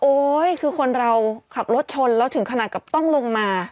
คือคนเราขับรถชนแล้วถึงขนาดกับต้องลงมา